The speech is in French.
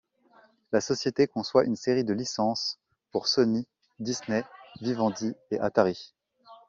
La société conçoit une série de licences pour Sony, Disney, Vivendi et Atari.